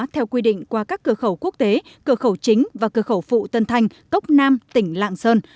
theo quy định qua các cửa khẩu quốc tế cửa khẩu chính và cửa khẩu phụ tân thanh cốc nam tỉnh lạng sơn